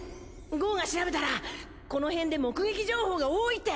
ゴウが調べたらこのへんで目撃情報が多いって。